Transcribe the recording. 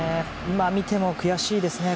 今見ても悔しいですね